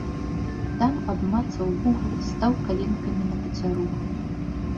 Там абмацаў вугал, стаў каленкамі на пацяруху.